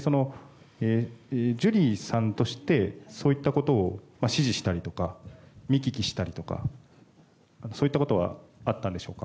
ジュリーさんとしてそういったことを指示したりとか見聞きしたりとかそういったことはあったんでしょうか。